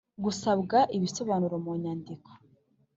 Gusabwa ibisobanuro munyandiko